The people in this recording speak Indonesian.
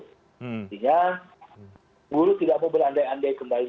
intinya buru tidak mau berandai andai kembali